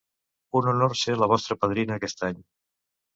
Un honor ser la vostra padrina aquest any.